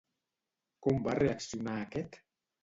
Com va reaccionar aquest?